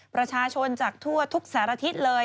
ประชาชนจากทั่วทุกสารทิศเลย